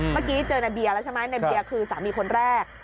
เมื่อกี้เจอในเบียร์แล้วใช่ไหมในเบียร์คือสามีคนแรก